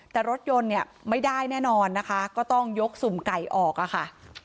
แต่รถยนต์เนี่ยไม่ได้แน่นอนนะคะก็ต้องยกสุ่มไก่ออกอะค่ะ